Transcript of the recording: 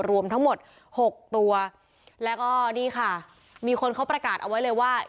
รวมทั้งหมดหกตัวแล้วก็นี่ค่ะมีคนเขาประกาศเอาไว้เลยว่า